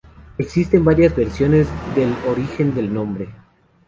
Existen varias versiones del origen del nombre.